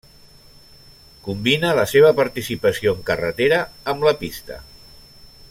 Combina la seva participació en carretera amb la pista.